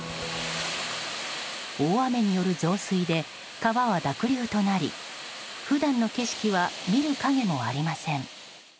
大雨による増水で川は濁流となり普段の景色は見る影もありません。